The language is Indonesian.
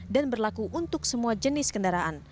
dan berlaku untuk semua jenis kendaraan